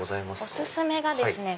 お薦めがですね。